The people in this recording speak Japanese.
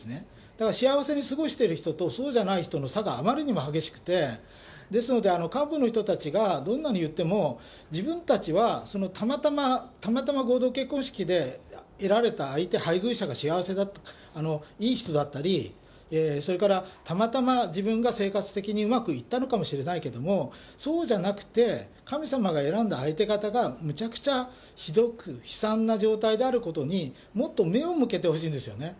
だから幸せに過ごしている人とそうじゃない人の差があまりにも激しくて、ですので、幹部の人たちがどんなに言っても、自分たちはたまたま、たまたま合同結婚式で得られた相手、配偶者が幸せな、いい人だったり、それからたまたま自分が生活的にうまくいったのかもしれないけど、そうじゃなくて、神様が選んだ相手方がむちゃくちゃひどく、悲惨な状態であることに、もっと目を向けてほしいんですよね。